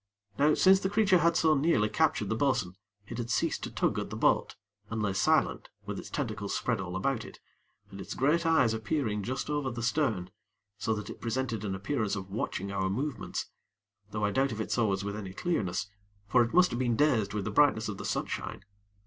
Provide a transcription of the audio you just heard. Now since the creature had so nearly captured the bo'sun, it had ceased to tug at the boat, and lay silent, with its tentacles spread all about it, and its great eyes appearing just over the stern, so that it presented an appearance of watching our movements; though I doubt if it saw us with any clearness; for it must have been dazed with the brightness of the sunshine.